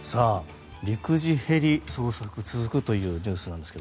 陸自ヘリ捜索続くというニュースなんですが。